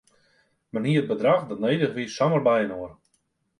Men hie it bedrach dat nedich wie samar byinoar.